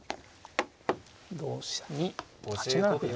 同飛車に８七歩成と。